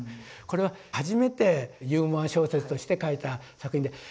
これは初めてユーモア小説として書いた作品で。